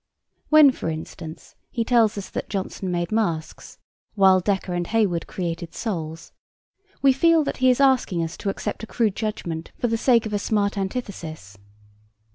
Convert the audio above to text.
When, for instance, he tells us that 'Jonson made masks,' while 'Dekker and Heywood created souls,' we feel that he is asking us to accept a crude judgment for the sake of a smart antithesis.